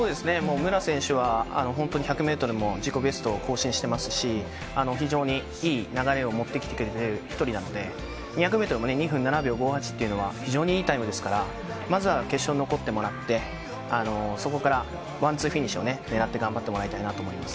武良選手は本当に１００メートルも自己ベストを更新してますし、非常にいい流れを持ってきてくれてる１人なので、２００メートルも２分７秒５８というのは非常にいいタイムですから、まずは決勝に残ってもらって、そこからワンツーフィニッシュを狙って頑張ってもらいたいなと思います。